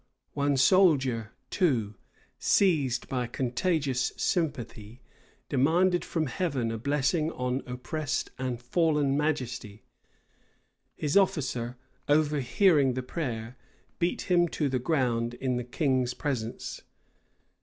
One soldier, too, seized by contagious sympathy, demanded from Heaven a blessing on oppressed and fallen majesty: his officer, overhearing the prayer, beat him to the ground in the king's presence.